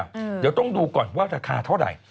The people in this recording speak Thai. เดี๋ยวต้องดูก่อนว่าราคาเท่าไหร่